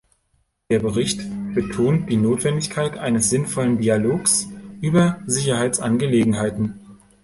Der Bericht betont die Notwendigkeit eines sinnvollen Dialogs über Sicherheitsangelegenheiten.